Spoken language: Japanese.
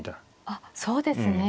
あっそうですね。